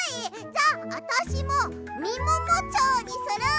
じゃああたしも「みももチョウ」にする！